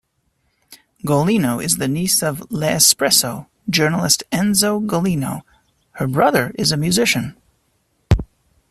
Golino is the niece of "L'Espresso" journalist Enzo Golino; her brother is a musician.